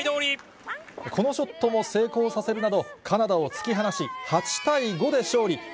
このショットも成功させるなど、カナダを突き放し、８対５で勝利。